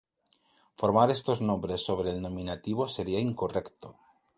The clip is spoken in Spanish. Formar estos nombres sobre el nominativo sería incorrecto.